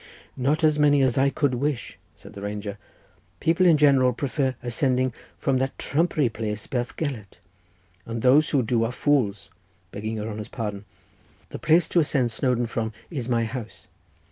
"Not so many as I could wish," said the ranger; "people in general prefer ascending Snowdon from that trumpery place Bethgelert; but those who do are fools—begging your honour's pardon. The place to ascend Snowdon from is my house.